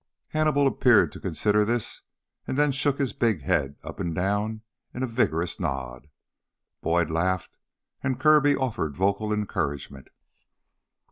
Hannibal appeared to consider this and then shook his big head up and down in a vigorous nod. Boyd laughed and Kirby offered vocal encouragement.